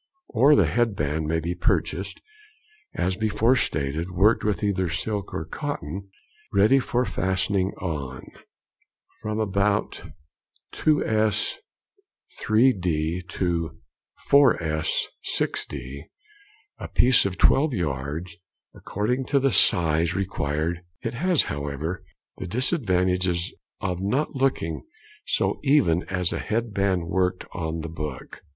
Or the head band may be purchased, as before stated, worked with either silk or cotton ready for fastening on, from about 2_s._ 3_d._ to 4_s._ 6_d._ a piece of twelve yards, according to the size required: it has, however, the disadvantage of not looking so even as a head band worked on the book.